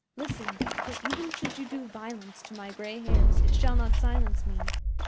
Listen; for, even should you do violence to my gray hairs, it shall not silence me.